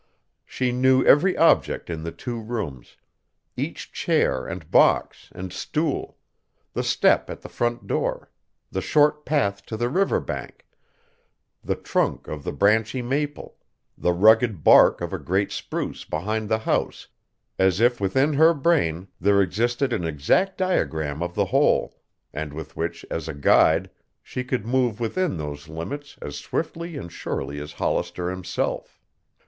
She knew every object in the two rooms, each chair and box and stool, the step at the front door, the short path to the river bank, the trunk of the branchy maple, the rugged bark of a great spruce behind the house, as if within her brain there existed an exact diagram of the whole and with which as a guide she could move within those limits as swiftly and surely as Hollister himself.